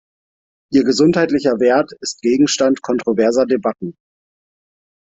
Ihr gesundheitlicher Wert ist Gegenstand kontroverser Debatten.